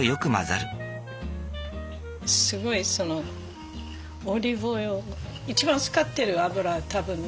すごいそのオリーブオイル一番使ってる油多分ね。